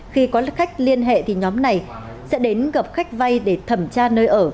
khi có khách liên hệ thì nhóm này sẽ đến gặp khách vay để thẩm tra nơi ở